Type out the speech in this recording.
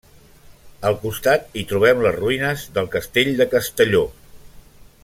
Al costat hi trobem les ruïnes del Castell de Castelló.